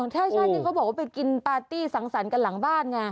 อ๋อถ้าใช่ก็บอกว่าไปกินปาร์ตี้สังสรรกันหลังบ้านไง